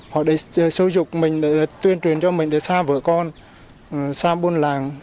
họ để xô dục mình tuyên truyền cho mình để xa vợ con xa buôn làng